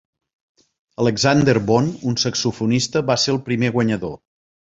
Alexander Bone, un saxofonista, va ser el primer guanyador.